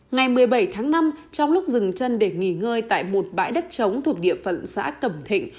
ngày một mươi bảy tháng năm trong lúc dừng chân để nghỉ ngơi tại một bãi đất trống thuộc địa phận xã cẩm thịnh